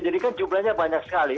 jadi kan jumlahnya banyak sekali